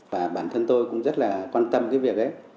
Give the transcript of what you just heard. và bản thân tôi cũng rất là quan tâm cái việc ấy